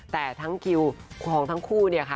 แต่ทั้งคิวของทั้งคู่เนี่ยค่ะ